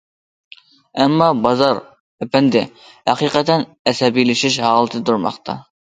ئەمما، بازار ئەپەندى ھەقىقەتەن ئەسەبىيلىشىش ھالىتىدە تۇرماقتا.